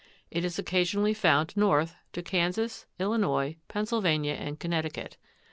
It is occasionally found north to Kansas, Illinois, Pennsylvania and Connecticut.